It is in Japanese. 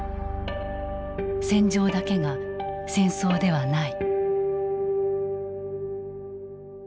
戦場だけが戦争ではない。